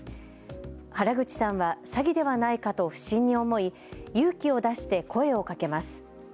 原口さんは詐欺ではないかと不審に思い勇気を出して声をかけます。